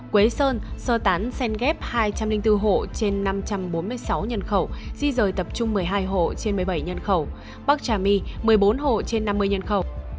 quế sơn sơ tán sen ghép hai trăm linh bốn hộ trên năm trăm bốn mươi sáu nhân khẩu di rời tập trung một mươi hai hộ trên một mươi bảy nhân khẩu bắc trà my một mươi bốn hộ trên năm mươi nhân khẩu